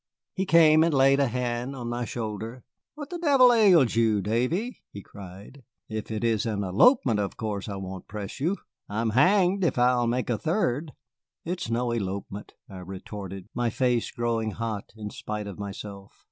He came and laid a hand on my shoulder. "What the devil ails you, Davy?" he cried. "If it is an elopement, of course I won't press you. I'm hanged if I'll make a third." "It is no elopement," I retorted, my face growing hot in spite of myself.